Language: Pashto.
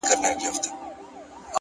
مثبت فکر د هیلو تخم کرل دي!